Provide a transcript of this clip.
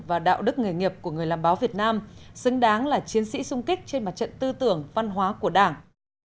và đạo đức nghề nghiệp của người làm báo việt nam xứng đáng là chiến sĩ sung kích trên mặt trận tư tưởng văn hóa của đảng